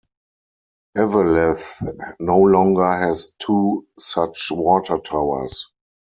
Eveleth no longer has two such water towers.